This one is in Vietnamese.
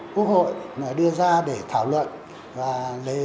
qua những đạo luật mà được quốc hội đưa ra để thảo luận và lấy ý kiến